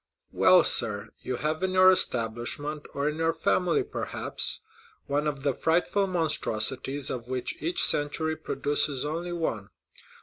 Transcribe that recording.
"Well, sir, you have in your establishment, or in your family, perhaps, one of the frightful monstrosities of which each century produces only one.